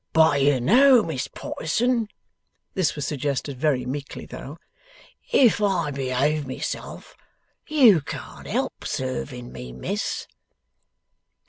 'But you know, Miss Potterson,' this was suggested very meekly though, 'if I behave myself, you can't help serving me, miss.